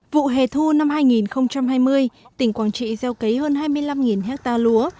vụ hề thu năm hai nghìn hai mươi tỉnh quảng trị gieo cấy hơn hai mươi năm hectare lúa